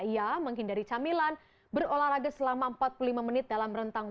ia menghindari camilan berolahraga selama empat puluh lima menit dalam rentang